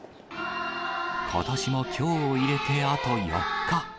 ことしもきょうを入れてあと４日。